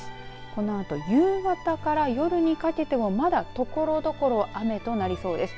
このあと夕方から夜にかけてもまだ、ところどころ雨となりそうです。